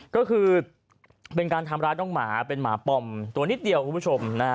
ก็คือเป็นการทำร้ายน้องหมาเป็นหมาปอมตัวนิดเดียวคุณผู้ชมนะฮะ